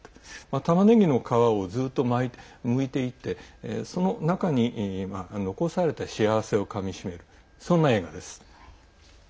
たまねぎの皮をずっとむいていってその中に残された幸せをかみ締める、そんな映画です。